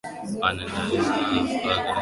anaendana na kazi anayoifanya